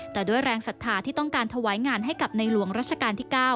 แต่ด้วยแรงศรัทธาที่ต้องการถวายงานให้กับในหลวงรัชกาลที่๙